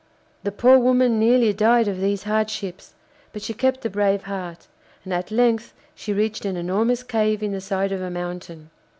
The poor woman nearly died of these hardships, but she kept a brave heart, and at length she reached an enormous cave in the side of a mountain.